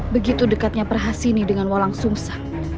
begitu dekatnya perhas ini dengan wolang sungsang